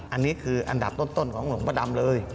อันนี้คืออันดับต้นของหลวงพระดำเลย